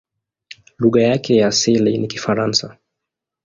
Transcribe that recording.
Lugha yake ya asili ni Kifaransa.